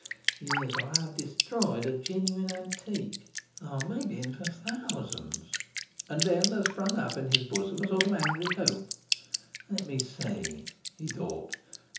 'Yes, I have destroyed a genuine antique; I may be in for thousands!' And then there sprung up in his bosom a sort of angry hope. 'Let me see,' he thought.